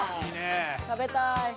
食べたい！